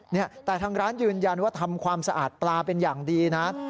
เนี่ยแต่ทางร้านยืนยันว่าทำความสะอาดปลาเป็นอย่างดีนะ